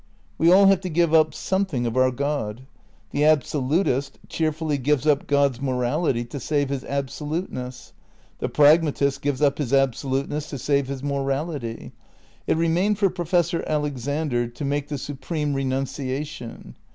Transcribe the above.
We all have to give up something of our God. The absolutist cheerfully gives up God's morality to save his absoluteness. The pragmatist gives up his absoluteness to save his morality. It remained for Professor Alexander to make the supreme renuncia tion.